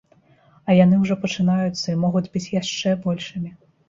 А яны ўжо пачынаюцца і могуць быць яшчэ большымі.